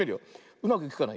うまくいくかな。